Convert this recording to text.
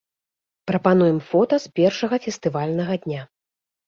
Прапануем фота з першага фестывальнага дня.